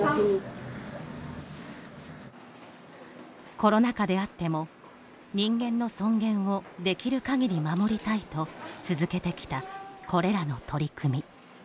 コロナ禍であっても人間の尊厳をできる限り守りたいと続けてきたこれらの取り組み。